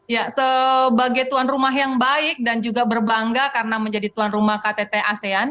ya sebagai tuan rumah yang baik dan juga berbangga karena menjadi tuan rumah ktt asean